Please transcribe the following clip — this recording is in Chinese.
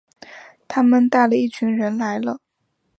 他们带了一群人来了